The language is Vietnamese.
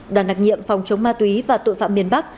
đoàn đặc nhiệm phòng chống ma túy và tội phạm miền bắc